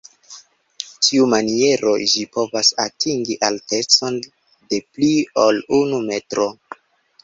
Tiumaniero ĝi povas atingi altecon de pli ol unu metro.